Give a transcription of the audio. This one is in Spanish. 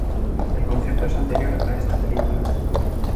El concepto es anterior a esta película.